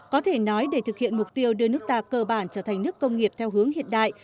có thể nói để thực hiện mục tiêu đưa nước ta cơ bản trở thành nước công nghiệp theo hướng hiện đại